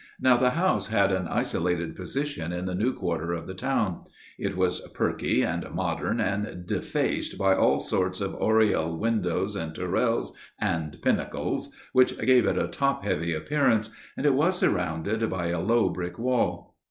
Now the house had an isolated position in the new quarter of the town. It was perky and modern and defaced by all sorts of oriel windows and tourelles and pinnacles which gave it a top heavy appearance, and it was surrounded by a low brick wall.